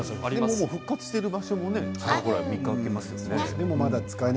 復活している場所も見かけますよね。